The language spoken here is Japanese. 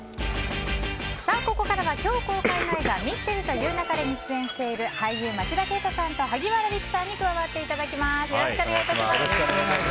ここからは今日公開の映画「ミステリと言う勿れ」に出演している俳優・町田啓太さんと萩原利久さんに加わっていただきます。